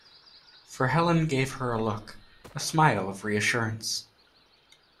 For Helene gave her a look, a smile of reassurance.